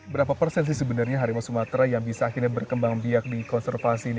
berapa persen sih sebenarnya harimau sumatera yang bisa akhirnya berkembang biak di konservasi ini